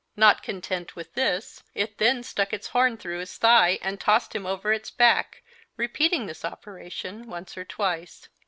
Not content with this, it then stuck its horn through his thigh and tossed him over its back, repeating this operation once or twice.